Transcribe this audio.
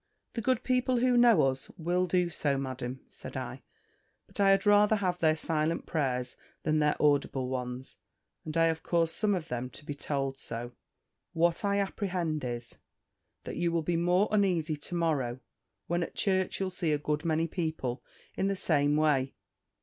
"The good people who know us, will do so, Madam," said I; "but I had rather have their silent prayers than their audible ones; and I have caused some of them to be told so. What I apprehend is, that you will be more uneasy to morrow, when at church you'll see a good many people in the same way.